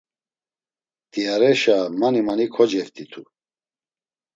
Mtiareşa mani mani koceft̆itu.